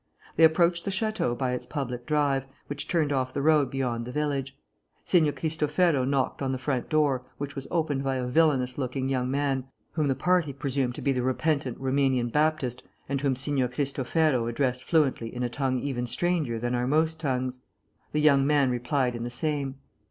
They approached the château by its public drive, which turned off the road beyond the village. Signor Cristofero knocked on the front door, which was opened by a villainous looking young man whom the party presumed to be the repentant Roumanian Baptist, and whom Signor Cristofero addressed fluently in a tongue even stranger than are most tongues. The young man replied in the same.